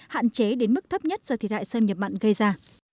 hạn chế đến mức thấp nhất do thời đại xâm nhập mặn gây ra